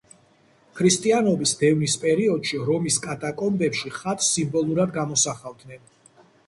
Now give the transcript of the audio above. ქრისტიანობის დევნის პერიოდში რომის კატაკომბებში ხატს სიმბოლურად გამოსახავდნენ.